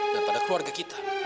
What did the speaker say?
dan pada keluarga kita